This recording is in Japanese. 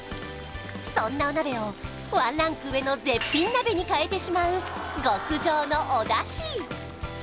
そんなお鍋をワンランク上の絶品鍋に変えてしまう極上のお出汁